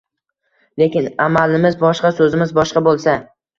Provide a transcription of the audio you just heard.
Lekin amalimiz boshqa, so‘zimiz boshqa bo‘lsa